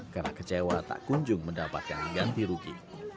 karena kecewa tak kunjung mendapatkan ganti rugi